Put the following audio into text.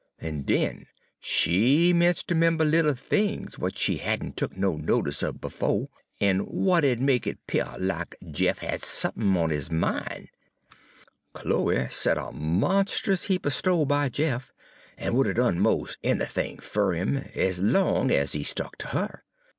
En den she 'mence' ter 'member little things w'at she had n' tuk no notice of befo', en w'at 'u'd make it 'pear lack Jeff had sump'n on his min'. "Chloe set a monst'us heap er sto' by Jeff, en would 'a' done mos' anythin' fer 'im, so long ez he stuck ter her.